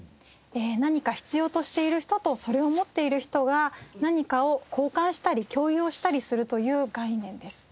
何か必要としている人とそれを持っている人が何かを交換したり共有をしたりするという概念です。